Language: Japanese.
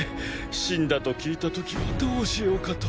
死んだと聞いた時はどうしようかと！